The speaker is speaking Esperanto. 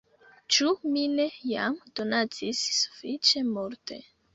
Ĉu mi ne jam donacis sufiĉe multe!"